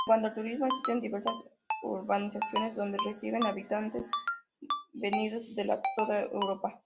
En cuanto al turismo existen diversas urbanizaciones donde residen habitantes venidos de toda Europa.